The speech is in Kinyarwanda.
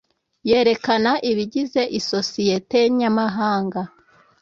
Yerekana ibigize isosiyete nyamahanga.